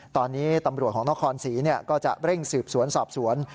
ตอนนี้ตำรวจของนครศรีก็จะเร่งสืบสวนสอบสวน